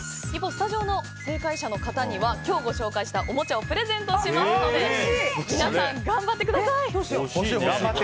スタジオの正解者の方には今日ご紹介したおもちゃをプレゼントしますので皆さん、頑張ってください。